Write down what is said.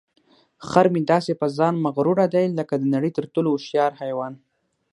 خر مې داسې په ځان مغروره دی لکه د نړۍ تر ټولو هوښیار حیوان.